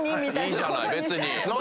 いいじゃない別に。